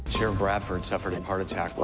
kepolisian los angeles